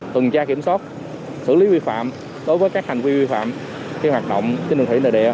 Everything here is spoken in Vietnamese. tuần tra kiểm soát xử lý vi phạm đối với các hành vi vi phạm khi hoạt động trên đường thủy nội địa